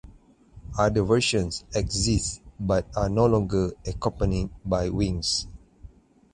Other versions exist but are no longer accompanied by wings.